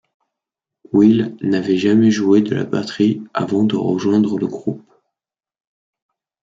Will n'avait jamais joué de la batterie avant de rejoindre le groupe.